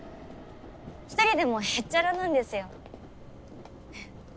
一人でもへっちゃらなんですよ。